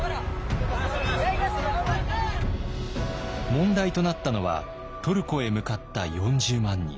問題となったのはトルコへ向かった４０万人。